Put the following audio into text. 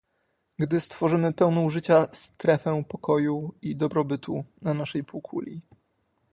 gdy stworzymy pełną życia strefę pokoju i dobrobytu na naszej półkuli